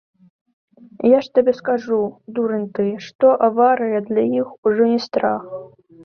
Я ж табе кажу, дурань ты, што аварыя для іх ужо не страх.